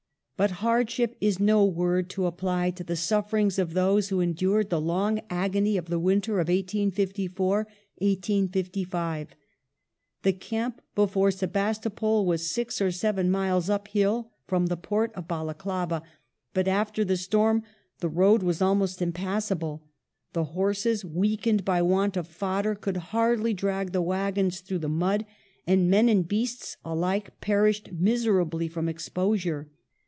But hardship is no word to apply to the sufferings of those who endured the long agony of the winter of 1854 1855. The camp before Sebastopol was six or seven miles uphill from the port of Balaclava, but after the storm the road was almost impassable ; the horses, weakened by want of fodder, could hardly drag the waggons through the mud, and men and beasts alike perished miserably from exposure.